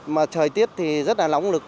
mà trời tiết thì rất là nóng lực